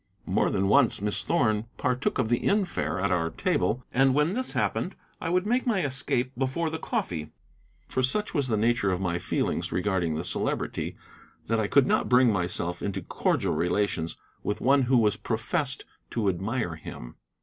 More than once Miss Thorn partook of the inn fare at our table, and when this happened I would make my escape before the coffee. For such was the nature of my feelings regarding the Celebrity that I could not bring myself into cordial relations with one who professed to admire him.